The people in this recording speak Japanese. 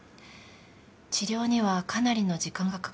治療にはかなりの時間がかかります。